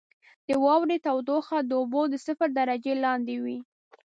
• د واورې تودوخه د اوبو د صفر درجې لاندې وي.